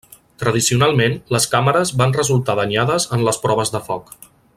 Tradicionalment, les càmeres van resultar danyades en les proves de foc.